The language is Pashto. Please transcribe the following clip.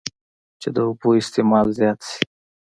چې د اوبو استعمال زيات شي